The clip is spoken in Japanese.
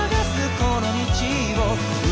この道を」